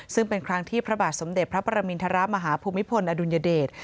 ซึ่งเป็นครั้งที่พระบาทสมเด็จพระประมินทรมาฮภูมิพลอดุลยเดช